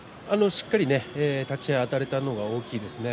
しっかりね立ち合いあたれたのが大きいですね。